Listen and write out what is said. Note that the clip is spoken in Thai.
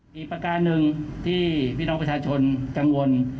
อีกประการหนึ่งที่พี่น้องประชาชนกังวล